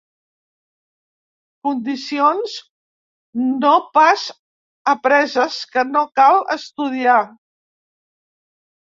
Condicions no pas apreses, que no cal estudiar.